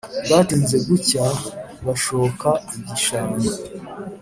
bwatinze gucya bashoka igishanga